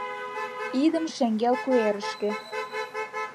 Идым шеҥгел куэрышке